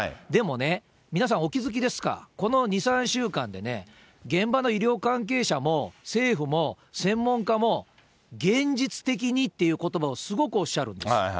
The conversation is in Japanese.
でもね、皆さんお気付きですか、この２、３週間でね、現場の医療関係者も政府も、専門家も、現実的にっていうことばをすごくおっしゃるんです。